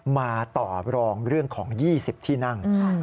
มาต่อรองเรื่องของ๒๐ที่นั่ง